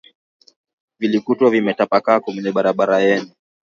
vilikutwa vimetapakaa kwenye barabara yenye